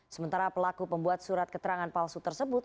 sementara pelaku pembuat surat keterangan palsu tersebut